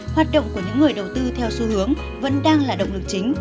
hoạt động của những người đầu tư theo xu hướng vẫn đang là động lực chính